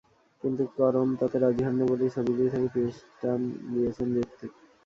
কিন্তু করণ তাতে রাজি হননি বলেই ছবিটি থেকে পিঠটান দিয়েছেন হৃতিক।